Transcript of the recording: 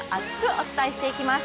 お伝えしていきます。